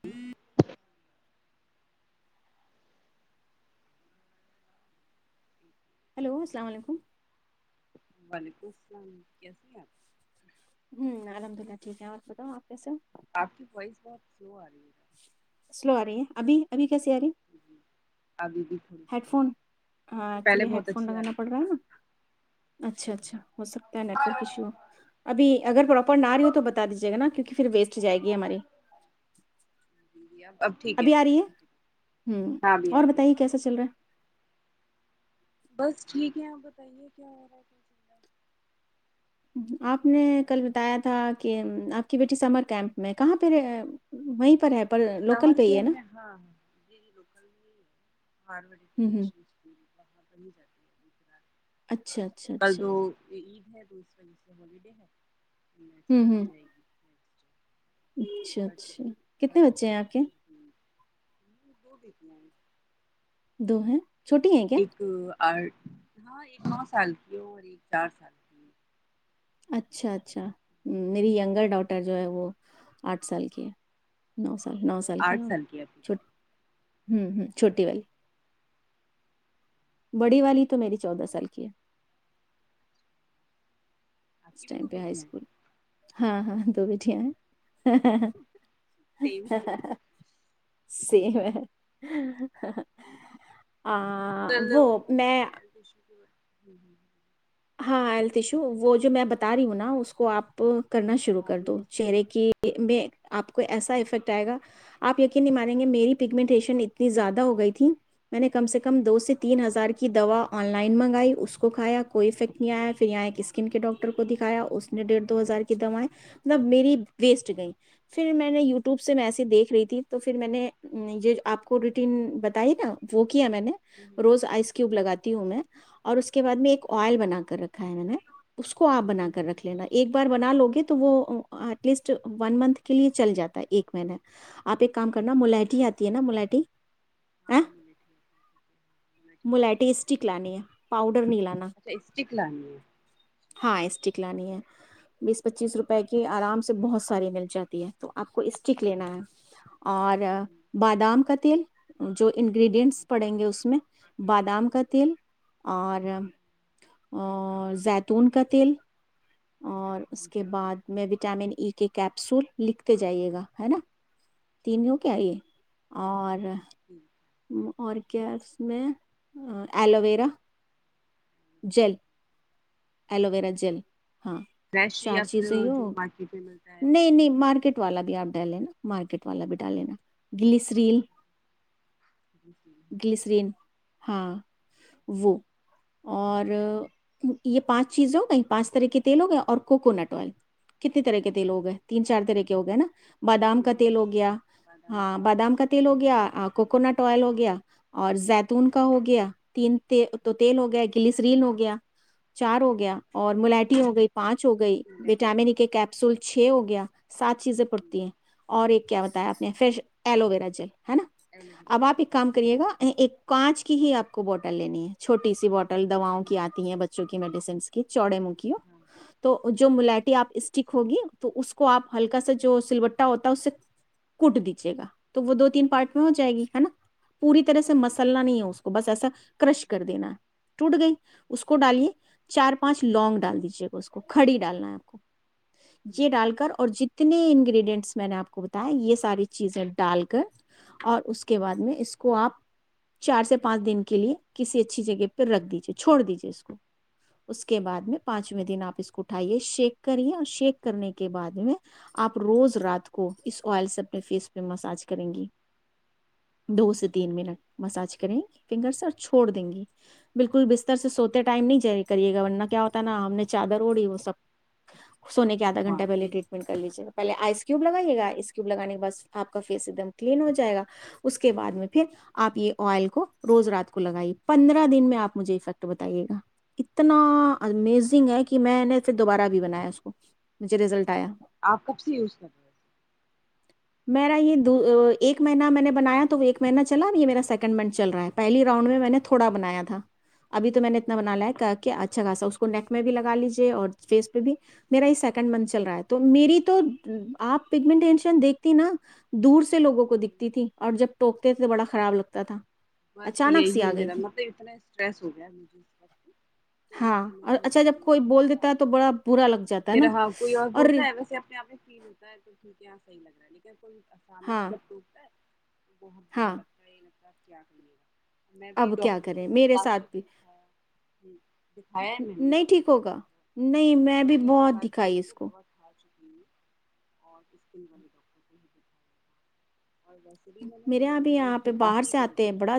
ہ [inaudible] ہلو السلام علیکم وعلیکم السلام کیسی ہیں آپ الحمد اللہ ٹھیک ہے اور بتاؤ آپ کیسے ہوں آپ کی خوائش بہت سلو آ رہی ہے سلو آ رہی ہے ابھی ابھی کییسی اری ہیں جی ابھی بھی تھوڑی ہیڈ سلو ہے، فون اس ہاں سے پہلے ایکچولی ہیڈ بہت فون اچھی آ لگانا رہی پڑ تھی رہا ہے نا اچھا اچھا ہو سکتا ہے نیٹورک ایشو ابھی اگر پراپر نہ رہی ہو تو بتا دیجی گا کیونک پھر ویسٹ ا جائے گی ہماری جی جی اب اب ٹھیک ابھی آ رہی ہے ٹھیک ہ ہاں ابھی آ اور رہی بتائیے ہے کیسا چل رہا ہے بس ٹھیک ہے آپ بتائیے کیا ہو رہا ہےز آپ نے کل بتایا تھا کہ آپ کی بیٹی سمر کیمپ میں کہاں پہ وہیں پر ہے پر لوکل پہ ہی ہے نا ہوں ہوں [inaudible] اچھا اچھا کل اچھا دو ہے تو اس وجہ سے ہوالیڈے ہے ہوں سٹ ہو ہوں جائے گی نیکسٹ اچھا تھرٹی اچھا کتنے تھرٹی تک بچے ہے اپ کے تھرٹی [inaudible] دو ہیں چھوٹی ہیں کیا اور ہاں ایک نو سال کی ہو اور ایک چار سال کی اچھا اچھا میری ہے ینگر ڈاٹر جو ہے وہ آٹھ سال کی ہے نو س نو سال کی آٹھ ہے آپ کی چ بیٹی ہوں ہ چھوٹی والی بڑی والی تو میری چودہ سال کی ہے آپ اس کی بھی ٹائم دو پہ ہائی بیٹیاں ہیں اسکول ہاں ہاں دو بیٹھیاں ہیں سیم [unintelligible] سیم ہے آ کل وہ میں ہیلتھ ایشو کے ہوں ہوں ہ ہاں ہیلتھ ایشو وہ جو میں بتا رہی ہوں نا اس کو آپ کرنا شروع ہاں کر دو مجھے اسکن چہرے کی میں آپ کو ایسا افیکٹ آئے گا آپ یقین نہیں مانیں گے میری پگمنٹیشن اتنی زیادہ ہو گئی تھی میں نے کم سے کم ہوں دو سے تین ہزار کی کی دوا آن لائن منگائی اس کو کھایا کوئی افیکٹ نہیں آیا پھر یہاں ایک اسکن کے ڈاکٹر کو دکھایا اس نے ڈیڑھ دو ہزار کی دوائیں مطلب میری ویسٹ گئی پھر میں نے یوٹیوب سے میں ایسے دیکھ رہی تھی تو پھر میں نے یہ آپ کو روٹین بتائی نا وہ کیا میں نے ہوں روز آئس کیوب لگاتی ہوں میں اور اس کے بعد میں ایک اچھا آئل بنا کر رکھا ہے میں نے اس کو آپ بنا ہوں کر ہوں رکھ لینا ایک بار بنا لو گے تو وہ ایٹ لیسٹ ون منتھ کے لیے چل جاتا ہے ایک مہیین آپ ایک کام کرنا آئل ملٹی کیسے آتی ہے نا بنا ملٹی ا ہاں بولے ٹھیک ہے ٹھیک ہے ہاں ملاٹھی پاؤڈر ملٹی ہے اسٹک لانی ہے پاؤڈر نہیں لانا چکلانی ہاں ایسٹک ل نہیں ہے بیس ہوں پچیس روپئے کی آرام سے سے بہت ساری مل جاتی ہے تو آپ کو اسٹک لینا ہے اور ہوں ہوں، بادام کا جو انگریڈینٹس ٹھیک ہے پڑیں گے اس میں بادام کا تیل اور زیاد تونتےل اور ہاں، اس کے مجھے اپنی بعد ٹھیک ہے میں وٹامن ای کے کیپسول لکھتے جائیے گا ہے نا ٹھیک تینوں کے ٹھیک آئیے اور ٹھیک اور کیا اس میں ایلو ویرا ہے۔ جیل ایلو جی ویرا جیل ہاں فریش چار یا پھر چیزیں ہی جو ہوگا مارکیٹ میں ملتا ہے وہ نہیں نہیں یوز کر مارکیٹ سکتے والا ہیں بھی آپ ڈال لینا مارکیٹ والا بھی ڈالالینا گلی سریل جی، تین ہاں، گلسرین ہاں وہ اور یہ پانچ چیز ہو گئی پانچ طرح کے تی ہو گئے اور کوکونٹ آئل کتنے طرح کے تیل ہو گئے تین چار طرح کے ہو گئے نا تین بادام کا گئے تیل ہیں ہو گیا ہاں بادام کا تیل ہو گیا کوکونٹ آئل ہو گیا اور زد ون کا ہو گیا تین تو تیل ہو گیا گلی سریل ہو گیا چار ہوگ گیا کا اور ملٹی ہو گئی پانچ ہو گئی الائچی وٹامن کے کیپسول چھ ہو گیا سات چیزیں پڑتی ہیں اور ایک کیا ب تایا اپنے فش ایلو ویرا جل ہے نا ایلوویرا اب آپ ایک کام کریے گا ایک کانچ کی ہی آپ کو بوٹل لینی ہے چوٹی سی بوٹل ٹل دواں جیل کی آتی ب جوک میسنس ک چڑے مکی ہاں تو جو ملٹی آپ اسٹک ہوگی تو اس کو آپ ہلکا سا جو سل بٹا ہوتا ہے اس سے کوٹ دیجیے گا تو وہ دو تین روٹ پارٹ ملا میں ہو جائے گی ہے نا پوری طرح سے ٹھیک ہے مسلنا نہیں ہے اس کو بس ایسا کرش کر دینا ٹوٹ گئی اس کو کو ڈالے چار پانچ لونگ ڈال دیجے گا اس کو کھڑی ڈالنا ہے آپ کو یہ ہوں، ڈال کر اور جیت اتنے انگریڈینٹس میں نے آپ کو بتایا یہ ساری چیزیں ڈال کر اور اس کے بعد ہوں، میں اس کو آپ چار سے پانچ دن کے لیے کسی اچھی جگہ پہ رکھ دیجیے چھوڑ دیجیے اس کو اس کے اچھا بعد میں پانچویں دن آپ اس کو اٹھائیے شیک کرے اور شیک کرنے کے بعد میں آپ روز رات کو اس آئل سے اپنے فیس پہ مساج کریں گی دو سے اچھا تین منٹ مساج کریں گی ٹھیک فنگرس ہے، اور چھوڑ دیں گی بالکل بستر سے سو ٹائم نہیں ج کریے گا ورنہ کیا ہوتا ہے نا ہم نے چادر اوڑی وہ سب سونے وہ آدھ ہاں فیس ہوں، گھنٹہےٹریٹن کر لیجیے پہے آئ کیو ہوں، لگائیے گ آئس کیوب لگان کے بع آپ کا فیس ایک دم کلین ہو جائے گا اس کے بعد میں پھر آپ یہ آئل کو روز رات کو لگائیے پندرہ دن میں آپ مجھے افیکٹ بتا بتے گا اتنا امیزنگ ہے کہ میں پھر دوبارہ بھی بنایا اس کو مجھے رزلٹ آیا آپ کب سے یوز کر رہے ہیں میرا یہ ایک مہینہ میں نے بنایا تو وہ ایک مہینہ چلا اب یہ میرا سیکنڈ منتھ چل رہا ہے پہلی راؤنڈ میں میں نے تھوڑا بنایا تھا ابھی تو میں نے اتنا بنا لا ہے کہ کہ اچھا خاصا اس کو نیک میں بھی لگا لیجیے اور فیس پہ بھی میرا یہ سیکنڈ منتھ چل رہا ہے تو میری تو آپ پگمن ینشن دیکھ نہا دور سے لووں کو ہو دکھتی تھی اور جب ٹوکتے تھے بڑا خراب لگتا تھا بس اچانک سی یہی آ گئی میرا تھی مطلب اتنا اسٹریس ہو گیا ہے مجھ اس وق کہ میں ہاں سمج اور اچھا نہیںا جب رہی ہوں کوئی کہ میں بول کیا دیتا ہے تو بڑا برا لگ جاتا ہے نا کروں ہاں کوئی اور بولتا ہے ویسےنے آ فل ہوتا ہےھیک ہے ح لگنا ٹیک ہے کو ہاں و ہے بہت برا ہاں لگتا ہےگ ر کیا کریے گا میں بھی اب کیا ڈاکٹر کو کریں میں میرے کافی ساتھ بھی دکھایا دکھایا ہے میں نے نہیں ڈاکٹر ٹھیک سے ہوگا بھی نہیں لگ میں بھگ بھی دس بہت ہزار کی دکھائی مے اس کو بہت آا چکی اور اسکن والے ڈاکٹر کو ہی دکھاا میرے یہاں بھی یہاں پہ باہر سے کری آتے ہے ہیں بڑا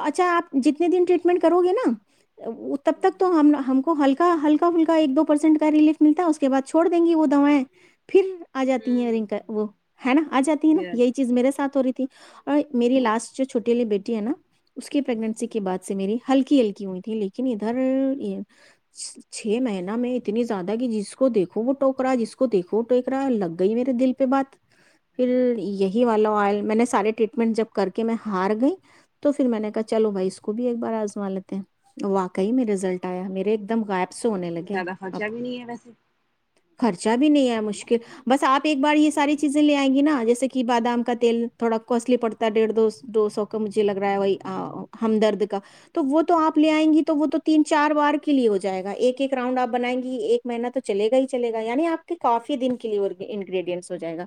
اچھا آپ جتنے دن اچھا ٹریٹمنٹ کرو گے نا تب ہوں تک تو ہم ہم کو ہلکا ہلکا فلک ایک دو پرسینٹ کا ریلیف ملتا اس کے بعدھوڑ دیں گی وہ دوائیں پھر آ جاتی ہے ہوں رنک ہوں وہ ہے نا آ جاتی ہے نا پھر آ یہی جاتے یرے سات ہو ہیں رہی تھی اور میری لاسٹ جو چھوٹی والی بیٹی ہے نا اس کی پریگنسی کے بعد سے میری ہلکی ہلکی ہوئی تھی لیکن ادھر چھ مہینہ میں اتنی زیادہ کہ جس کو دیکھو وہ ٹوکرا جس کو دیکھو وہ ٹیک رہا لگ گئی میرے دل پہ بات پھر ییکی یہی والا میں نے سارے ریٹمنٹ جب کر کے میں ہار گئی تو پھر میں نے کہا چلو بھائی اس کو بھی ایک بار آزما لیتے ہیں واقعی میں رزلٹ آیا میرے د غائب سے پھر ہونے اس میں لگے زیادہ خرچہ اب بھی نہیں ہے ویسے مطلب خرچا بھی نہیں آیا ہے نا مشکل بس آپ ایک بار یہ ویسے ساری چیزیں لے آئیں گی نا جیسے کہ بادام کا تیل تھوڑا کوسٹلی پڑتا ہے ڈیڑھ دو دو سو کا مجھے لگ رہا ہے ب ہمدرد کا تو وہ تو آپ لے آئیں گی تو وہ تو تین چار بار کے لیے ہو جائے گا ایک ایک راؤنڈ آپ بنائیں گی ایک مہینہ تو چلے گا ہی چلے گا یعنی آپ کے کافی دن کے لیے انگریڈینٹس ہو جائے گا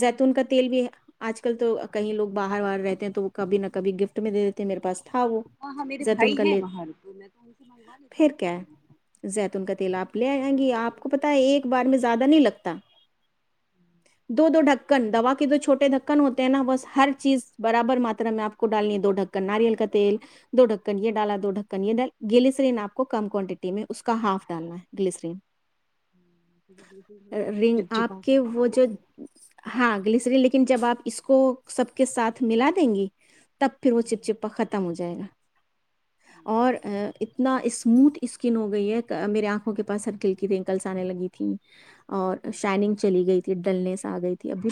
زیتون کا تیل بھی ہے آج کل تو کہیں لوگ باہر باہر رہتے ہیں تو وہ کبھی نہ کبھی گفٹ میں دے دیتے ہیں میرے پاس تھا وہ ہاں ہاں میرے زیتون بھائی کا ہیں ل وہاں تو میں تو ان سے منگوا لیتی ہوں پھر میرے کیا پاس ہے زیتون کا تیل کوئی آپ لے دقت آئیں نہیں ہے، گی جاتی آپ ان کو پتا ہے ایک بار میں زیادہ نہیں لگتا دو دو ڈھک کندا پ کے جو چھوٹے ڈھکن ہوتے ہیں نا بس ہر چیز برابر ماترا میں آ کو ڈالنی ہے دو ڈھکن ناریل کا تیل دو ڈھکن یہ ڈالا دو ڈھکن یہال گلیسرین آپ کو کم کوانٹٹی میں اس کا ہاف ڈالنا ہے گلیسرین کیونکہ دیسی تھوڑا سا ر آپ چپچپا سا کے ہوتا وہ ہے نا جو ہاں سری لیکن جب آپ اس کو سب کے ساتھ ملا دیں گی تو تب پھر وہ ہوں چپچپا ختم ہو جائے گا اور ہوں اچھا اتنا اچھا اسموتھ اسکن ہو گئی ہے میرے آنکھوں کے پاس سرکل کی تیں کلس آنے لگی تیں اور ہوں ہوں شائننگ چلی گئی تھی ڈلنیس آ گئی تھی تھی ابھی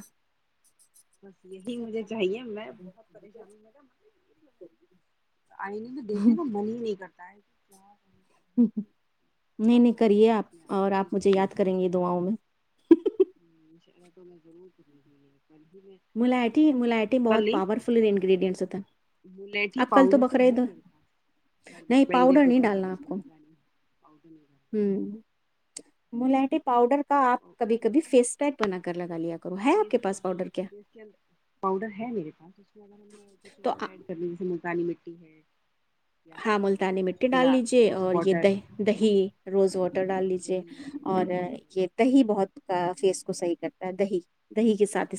[unintelligible] بس یہی مجھے چاہیے میں بہت پریشانی ہو آئینی میں دیکنے کو من ہی نہیں کرتا تائ کیا نہیں بہت نہیں زیادہ کریے اسٹریس آپ میں آ اور گئی ہے اس آپ مجھے وجہ یاد سے کریں گے دعاؤں میں انشاء اللہ تو میں ضرور کر رہی ملاائٹی ملاائٹی بہت پاورفل انگریڈیئٹس تھ اللیٹھی پاؤڈر تو ہے میرے پاس کل نہیں بک دے پاؤڈر تو نہیں کل تو ڈالنا آپ کچھ ہو کو گا نہیں پاؤڈر ما ملا پاؤڈر کا آپ کبھی کبھی فیس پیک بنا کر لگا لیا کرو ہے آپ پس کے پاس بنا پاؤڈر کیا سکتے ہیں پاؤڈر ہے میرے پاس اس ہم کچھ تو اور ایڈ کر جیسے کالی مٹی ہے یا پھر ہاں ملتانی کچھ مٹی ڈال لیجے گلاب روز اور یہ واٹر دہی ہے نا دہی روز واٹر ڈال لیجے دہی ہے روز اور واٹر یہ دہی بہت کا فیس کو صحیح کرتا ہے دہی دہی کے ساتھ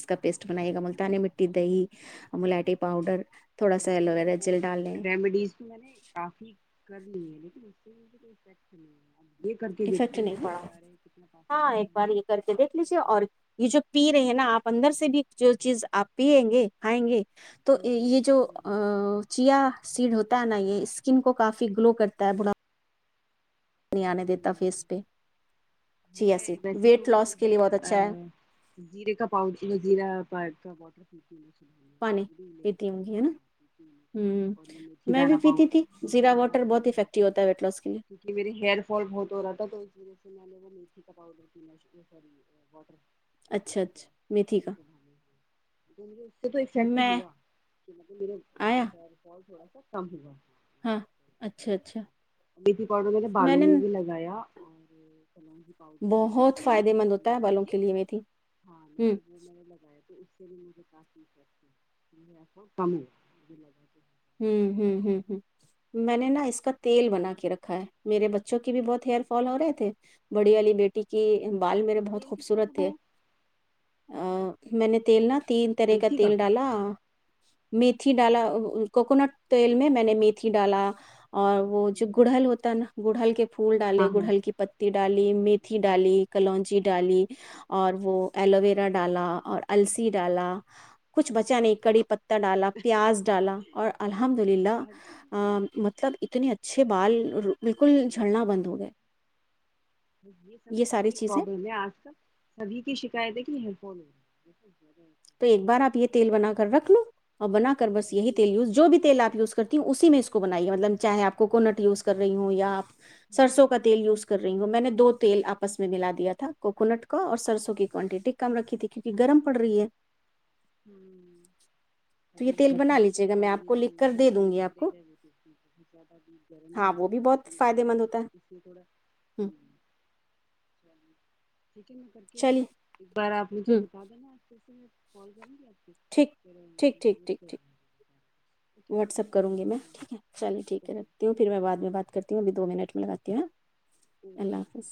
جی ہوں [inaudible] ملاٹی پاؤڈر تھوڑا سا ویسے میں نے ایلوویرا ہوم جل ڈال لیں ریمیڈیز بھی میں نے کافی لیکن نہیں یہ کر کے افیکٹ دیکھتی ہوں کہ نہیں آپ پڑا بتا رہے ہیں کتنا ہاں پرفیکٹ ہوا ایک بار ہمیں یہ کر کے دیکھ لیجیے جی اور یہ جو پی رہے ہیں نا آپ اندر سے سے بھی جو چیز آپ پیئیں گے کھائیں گے تو ہوں ہوں یہ جو ہوں ہوں چیا سیڈ ہوتا ہے نا یہ اسکن کو کافی گلو کرتا ہے بھا نہیں آنے دیتا ہوں فیس پہ چیا میں سیڈ ویسے تو ویٹ لاس کے لیے یہ بہت اچھا ہے زیرے کا پاڈ زیرہ باٹر پانی پیتی ہوں گی ہے نا ہوں اور مھی میں بھی دانا با پیتی تھی میھی زیرا دانا واٹر بہت افیکٹو ہوتا ہے ویٹ لاس کے لیے کیوںکہ میرے ہیئر فال بہت ہو رہا تھا تو اس وجہ سے نے وہ میتھی کا پاؤڈر سی واٹر انٹ اچھا کیا اچھا میتھی کا سبے ہے مے توفیکٹ میں ہوا آیا کام ہویا ہاں اچھا اچھا بیھی پاؤڈر میں نے بالوں میں بھی لگایا اور چلجی پاؤڈر لھی بہت فائدے یہ مند سن ہوتا ہے ملا بالوں کے لیے میتھی ہاں میں ہوں وہ میں نے لگایا تھا اسے میں نے نا اس کا تیل بنا کے رکھا ہے میرے بچوں کے بھی بہت ہیئر فال ہو رہے تھے بڑی والی بیٹی کی بال آپ میرے نے بہت تیل کس کا خوبصورت تھے بنایا میں نے تیل نہ تین طرح کا تل ڈالا میتھی ڈالا ہاں تیل میں میں نے میتھی ڈالا اور وہ جو گڑہل ہاں ہوتا ہے نا گوڑ ہل کے پھول ڈالے ہاں گڑہل کی پتی ڈالی میتھی ڈالی کلونچی ڈالی اور وہ ایلوویرا ڈالا اور السی ڈالا کچھ بچا نہیں کڑی پ پا ڈالا پیاز ڈالا اور الحمد للہ اچھا مطلب اتنے اچھے بال بالکل جھڑنا بند ہو گئے یہ سب سے ساری بڑی چیزیں پرابلم ہے آج کل سبھی کی شکایتیں کہ ہیڈ فون ج ج تو ایک بار آپ یہ تیل بنا کر رکھ لو اور بنا کر بس یہیل یوز جو بھی تیلپی اس کرتی ہوں اسی میں اس کو بائیے مطلب چاہے آپ کوونٹ یوز کر رہی ہوں یاپ سرسوں کا تیل یوز کر رہی ہوں میں نے دو تیل آپس میں ملا دیا تھا کوکونٹ کا اور سرسوں کی کوانٹٹی کم رکھی تھی کیونک گرم پڑ رہی ہے ہ تو یہ ابھیب تیل ب بنا لیجیے گا اور میں آپ یہ کو جو لکھ کر دے دوں زیتون گی کا آپ کو تیل ہے وہ تو بہت زیادہ گرم بھی ہاں ہے وہ بہت زیتون کا فائدے آئل مند ہوتا ہے اس میں تھوڑا ہ چیکن کر کے چلیے ایک بار آپ مجھے ہ بتا دینا کال کریں گی آپ کو ٹھیک پھر ٹھیک ٹھیک نوٹ ٹھیک کر ٹھیک دوں گی سارا کچھ۔ اوکے واٹسپ کروں اللہ گی میں حافظ ٹھیک ہے چلیے ٹھیک ہے اوکے رکھتی ہوں پھر میں بد اللہ میں بات کرتی ہوں ابھی دو منٹ میں لگاتی ہوں ج اللہ جی جی حافظ